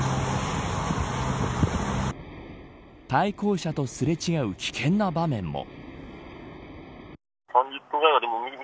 対向車とすれ違う危険な場面も。